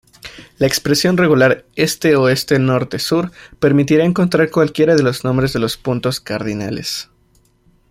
La expresión regular "este|oeste|norte|sur" permitirá encontrar cualquiera de los nombres de los puntos cardinales.